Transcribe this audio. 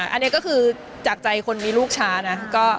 อันนี้ก็คือจากใจคนมีลูกช้านะ